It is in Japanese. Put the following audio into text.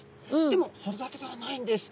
でもそれだけではないんです。